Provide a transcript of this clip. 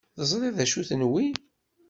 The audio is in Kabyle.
Teẓriḍ d acu-ten wi?